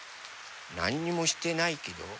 なんにもしてないけど。